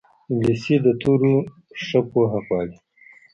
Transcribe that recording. انګلیسي د توریو ښه پوهه غواړي